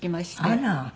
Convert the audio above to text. あら。